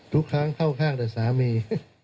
ทุกครั้งเข้าข้างแต่สามี